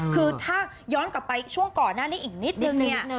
คือถ้าย้อนกลับไปช่วงก่อนหน้านี้อีกนิดนึงเนี่ย